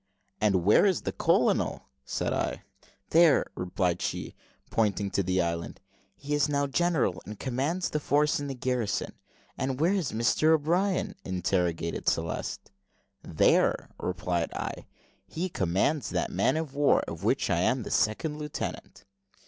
"And where is the colonel?" said I. "There," replied she, pointing to the island; "he is now general, and commands the force in the garrison. And where is Mr O'Brien?" interrogated Celeste. "There," replied I; "he commands that man of war, of which I am the second lieutenant."